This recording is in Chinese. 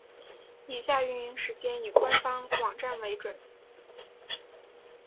以下营运时间以官方网站为准。